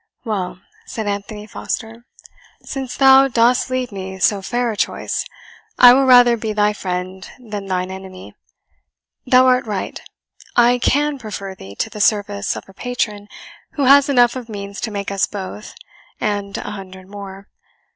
"Well," said Anthony Foster, "since thou dost leave me so fair a choice, I will rather be thy friend than thine enemy. Thou art right; I CAN prefer thee to the service of a patron who has enough of means to make us both, and an hundred more.